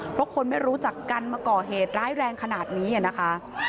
เพราะคนไม่รู้จักกันมาก่อเหตุร้ายแรงขนาดนี้นะคะ